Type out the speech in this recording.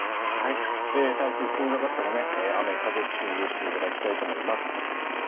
台風、遠ざかっても雨、風注意していただきたいと思います。